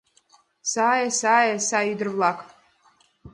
Сае, сае, сай ӱдыр-влак